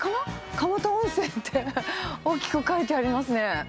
蒲田温泉って大きく書いてありますね。